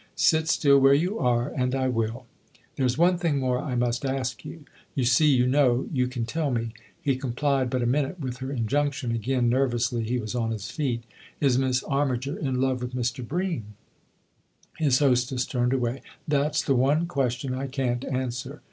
Sit still where you are, and I will." " There's one thing more I must ask you. You see; you know; you can tell me." He complied but a minute with her injunction ; again, nervously, he was on his feet. " Is Miss Armiger in love with Mr. Bream ?" His hostess turned away. " That's the one question I can't answer."